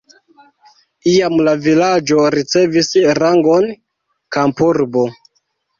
Iam la vilaĝo ricevis rangon kampurbo.